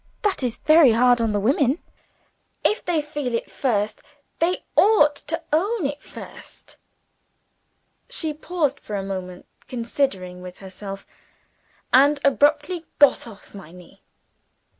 "That is very hard on the women. If they feel it first, they ought to own it first." She paused for a moment, considering with herself and abruptly got off my knee.